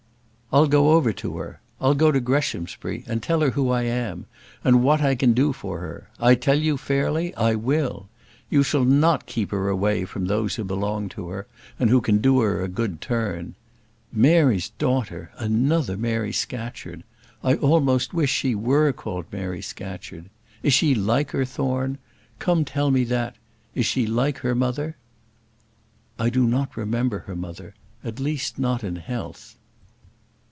I'll go over to her, I'll go to Greshamsbury, and tell her who I am, and what I can do for her. I tell you fairly I will. You shall not keep her away from those who belong to her, and can do her a good turn. Mary's daughter; another Mary Scatcherd! I almost wish she were called Mary Scatcherd. Is she like her, Thorne? Come, tell me that, is she like her mother." "I do not remember her mother; at least not in health."